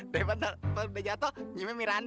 dari nanti kalau udah jatoh nyiumnya miranda